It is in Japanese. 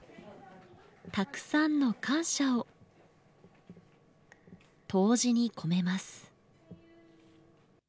たくさんの感謝を答辞に込めます。